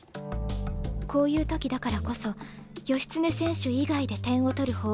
こういう時だからこそ義経選手以外で点を取る方法を。